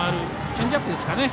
チェンジアップですかね。